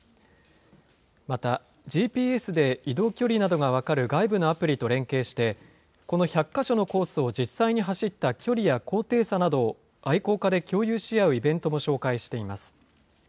またＧＰＳで移動距離などが分かる外部のアプリと連携して、この１００か所のコースを実際に走った距離や高低差などを愛好家で共有し合うイベントも紹介しています。